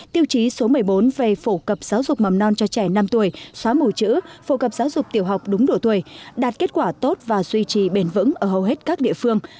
tiêu chí số một mươi bốn về phổ cập giáo dục mầm non cho trẻ năm tuổi xóa mù chữ phổ cập giáo dục tiểu học đúng độ tuổi đạt kết quả tốt và duy trì bền vững ở hầu hết các địa phương